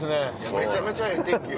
めちゃめちゃええ天気よ。